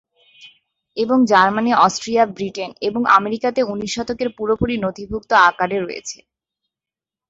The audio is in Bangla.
এবং জার্মানি, অস্ট্রিয়া, ব্রিটেন, এবং আমেরিকাতে উনিশ শতকের পুরোপুরি নথিভুক্ত আকারে রয়েছে।